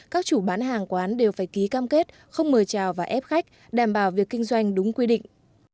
các chủ bán hàng quán đều phải ký cam kết không mời chào và ép khách đảm bảo việc kinh doanh đúng quy định